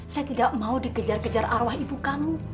saya tidak mau dikejar kejar arwah ibu kamu